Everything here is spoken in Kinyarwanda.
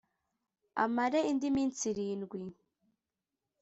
amare indi minsi irindwi